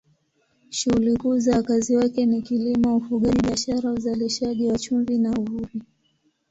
Shughuli kuu za wakazi wake ni kilimo, ufugaji, biashara, uzalishaji wa chumvi na uvuvi.